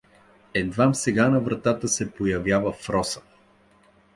Едвам сега на вратата се появява Фроса.